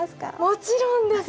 もちろんです。